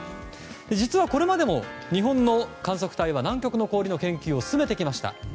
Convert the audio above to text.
実は、これまでも日本の観測隊は南極の氷の研究を進めてきました。